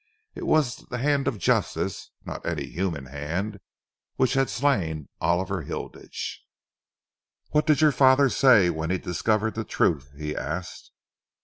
It was the hand of justice, not any human hand, which had slain Oliver Hilditch. "What did your father say when he discovered the truth?" he asked.